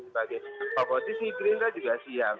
sebagai oposisi gerindra juga siap